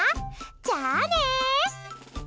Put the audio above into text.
じゃあね。